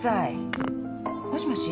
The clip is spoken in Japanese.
もしもし？